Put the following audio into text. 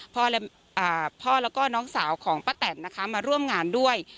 พ่อและน้องสาวของพระแต่นมาร่วมงานด้วย